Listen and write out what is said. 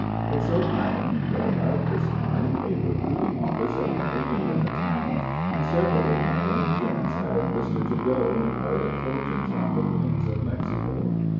It so happened, that about this time, a recruiting office had been opened in the town, and several of my young friends had enlisted to go and try their fortunes on the plains of Mexico.